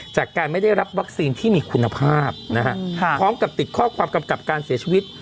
จากการไม่ได้รับวัคซีนที่มีคุณภาพนะฮะพร้อมกับติดข้อความกำกับการเสียชีวิต